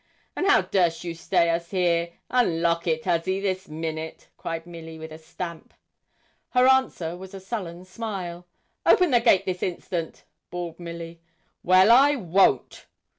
'And how durst you stay us here? Unlock it, huzzy, this minute!' cried Milly, with a stamp. Her answer was a sullen smile. 'Open the gate this instant!' bawled Milly. 'Well, I _won't.